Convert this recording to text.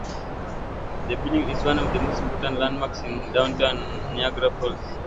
The building is one of the most important landmarks in downtown Niagara Falls.